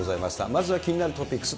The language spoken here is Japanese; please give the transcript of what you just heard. まずは気になるトピックス、